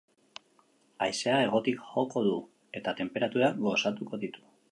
Haizea hegotik joko du, eta tenperaturak goxatuko ditu.